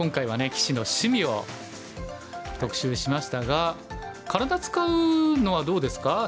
棋士の趣味を特集しましたが体使うのはどうですか先生。